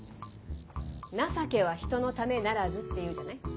「情けは人の為ならず」って言うじゃない？